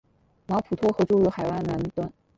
马普托河注入海湾南端。